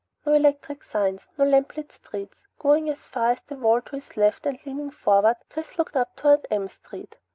No electric signs, no lamplit streets. Going as far as the wall to his left and leaning forward, Chris looked up toward M Street.